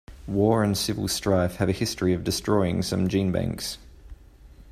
War and civil strife have a history of destroying some genebanks.